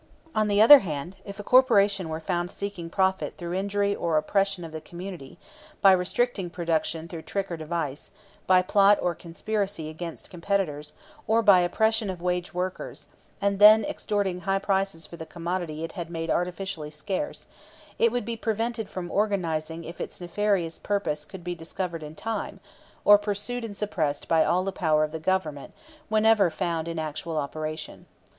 On the other hand, if a corporation were found seeking profit through injury or oppression of the community, by restricting production through trick or device, by plot or conspiracy against competitors, or by oppression of wage workers, and then extorting high prices for the commodity it had made artificially scarce, it would be prevented from organizing if its nefarious purpose could be discovered in time, or pursued and suppressed by all the power of Government whenever found in actual operation.